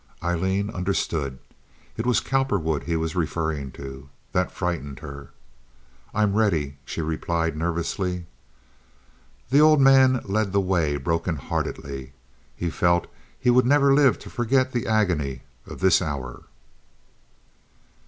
Aileen understood. It was Cowperwood he was referring to. That frightened her. "I'm ready," she replied, nervously. The old man led the way broken heartedly. He felt he would never live to forget the agony of this hour.